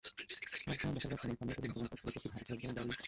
গবেষণায় দেখা যায়, কোমল পানীয়তে বিদ্যমান ফসফরিক অ্যাসিড হাড় ক্ষয়ের জন্য দায়ী।